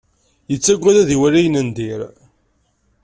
Yettagad ad iwali ayen n dir.